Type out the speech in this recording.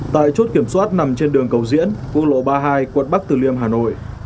tại chốt kiểm soát nằm trên đường cầu diễn quốc lộ ba mươi hai quận bắc từ liêm hà nội